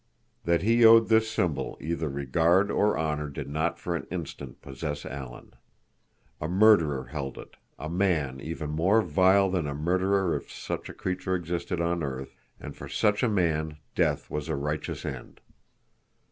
That he owed this symbol either regard or honor did not for an instant possess Alan. A murderer held it, a man even more vile than a murderer if such a creature existed on earth, and for such a man death was a righteous end.